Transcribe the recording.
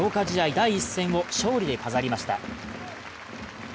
第１戦を勝利で飾りました